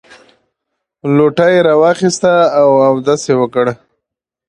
لوټه یې راواخیسته او اودس یې وکړ.